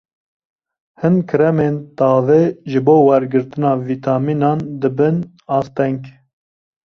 Hin kremên tavê ji bo wergirtina vîtamînan dibin asteng.